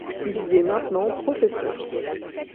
Il y est maintenant professeur.